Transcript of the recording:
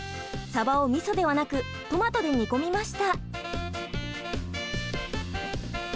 さばをみそではなくトマトで煮込みました。